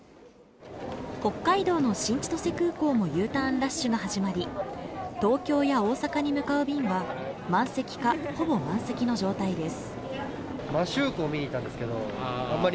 北海道の新千歳空港もＵターンラッシュが始まり、東京や大阪に向かう便は満席かほぼ満席の状態です。